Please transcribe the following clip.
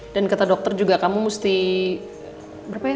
dan kata dokter juga kamu mesti berapa ya